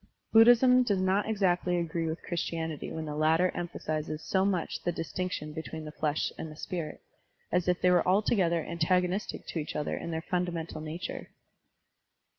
Buddhism does not exactly agree with Chris tianity when the latter emphasizes so much the distinction between the flesh and the spirit, as if they were altogether antagonistic to each other in their fundamental nature.